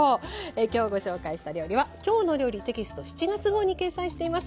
今日ご紹介した料理は「きょうの料理」テキスト７月号に掲載しています。